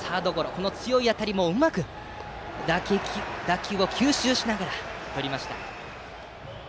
あの強い当たりもうまく打球を吸収しながらとりました。